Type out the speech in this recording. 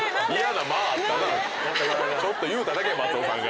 ちょっと言うただけや松尾さんが。